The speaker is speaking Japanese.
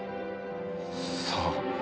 さあ。